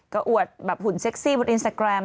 ก็อวดแบบหุ่นเซ็กซี่บนอินสตาแกรม